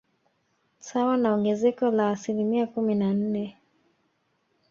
Sawa na ongezeko la asilimia kumi na nne